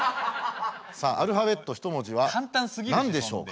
さあアルファベット１文字は何でしょうか？